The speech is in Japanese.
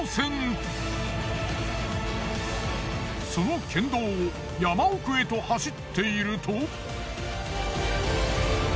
その県道を山奥へと走っていると。